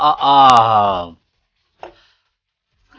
saya akan menang